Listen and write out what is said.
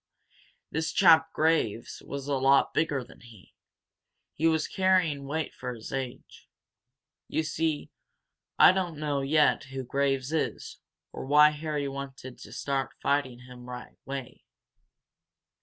This chap Graves was a lot bigger than he. He was carrying weight for age. You see, I don't know yet who Graves is, or why Harry wanted to start fighting him that way.